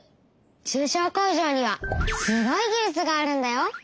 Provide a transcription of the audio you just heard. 中小工場にはすごい技術があるんだよ。